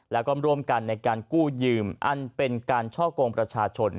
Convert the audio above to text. แล้วก็ร่วมกันในการกู้ยืมอันเป็นการช่อกงประชาชน